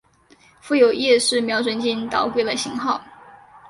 附有夜视瞄准镜导轨的型号。